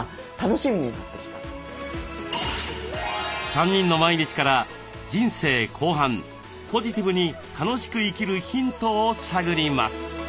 ３人の毎日から人生後半ポジティブに楽しく生きるヒントを探ります。